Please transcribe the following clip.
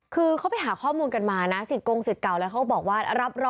คือเขาไปหาข้อมูลกันมานะสิจกงสิจเก่าแล้วเขาบอกว่า